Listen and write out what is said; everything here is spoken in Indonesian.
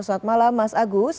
selamat malam mas agus